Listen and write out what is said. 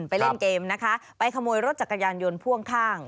ไปเล่นเกมนะคะไปขโมยรถจักรยานยนต์พ่วงข้าง